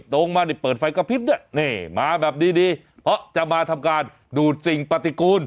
ตรงมานี่เปิดไฟกระพริบด้วยนี่มาแบบดีดีเพราะจะมาทำการดูดสิ่งปฏิกูล